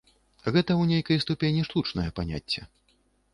Гэта ў нейкай ступені штучнае паняцце.